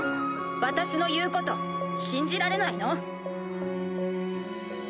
私の言うこと信じられないの？